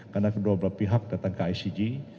karena kedua pihak datang ke icg